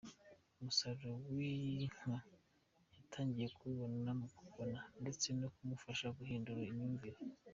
Umusaruro w’iyi nka yatangiye kuwubona ndetse no kumufasha guhindura imyumvire.